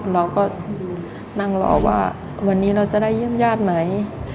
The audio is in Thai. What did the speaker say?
เราก็นั่งรอว่าวันนี้เราจะได้เยี่ยมญาติไหม